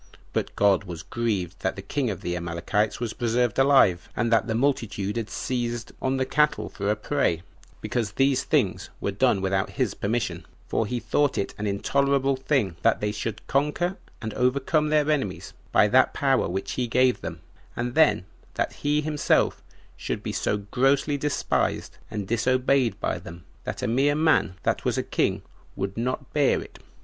But God was grieved that the king of the Amalekites was preserved alive, and that the multitude had seized on the cattle for a prey, because these things were done without his permission; for he thought it an intolerable thing that they should conquer and overcome their enemies by that power which he gave them, and then that he himself should be so grossly despised and disobeyed by them, that a mere man that was a king would not bear it.